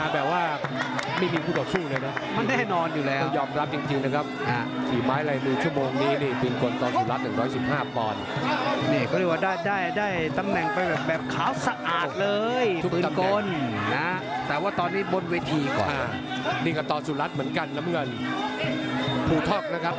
บนเวทีก่อนอ่านี่กับต่อสุรัสตร์เหมือนกันนะเมื่อกันภูท็อกนะครับ